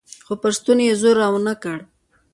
خو پر ستوني يې زور راونه کړ.